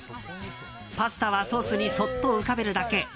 パスタはソースにそっと浮かべるだけ。